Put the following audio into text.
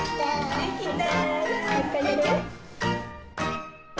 できた。